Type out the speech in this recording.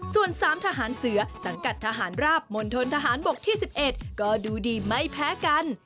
ส่วน๓ทหารเสือสังกัดทหารราบมณฑนทหารบกที่๑๑ก็ดูดีไม่แพ้กัน